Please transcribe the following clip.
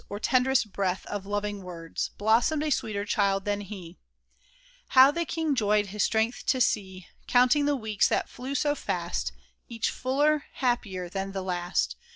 Or tenderest breath of loving words, Blossomed a sweeter child than he ! How the king joyed his strength to see, Counting the weeks that flew so fast — Each fuller, happier than the last